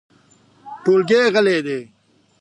ټولګی غلی دی .